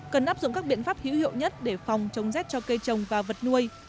cần áp dụng các biện pháp hữu hiệu nhất để phòng chống rét cho cây trồng và vật nuôi